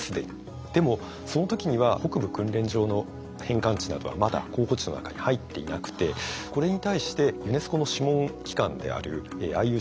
でもその時には北部訓練場の返還地などはまだ候補地の中に入っていなくてこれに対してユネスコの諮問機関であるＩＵＣＮ